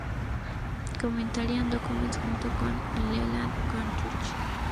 Commentary and documents" junto con Leland Goodrich.